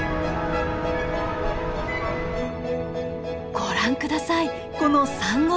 ご覧下さいこの珊瑚礁。